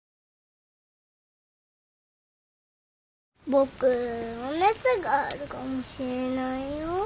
僕お熱があるかもしれないよ。